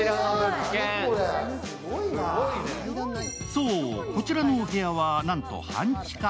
そう、こちらのお部屋はなんと半地下。